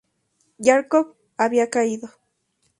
Járkov había caído.